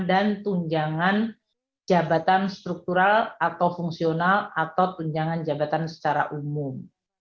tunjangan jabatan struktural atau fungsional atau tunjangan jabatan secara umum